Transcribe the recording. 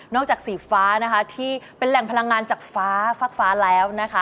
จากสีฟ้านะคะที่เป็นแหล่งพลังงานจากฟ้าฟักฟ้าแล้วนะคะ